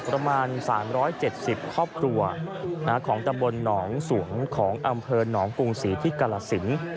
ประมาณ๓๗๐ครอบครัวของตำบลหนองสวงของอำเภอหนองกรุงศรีที่กรสิน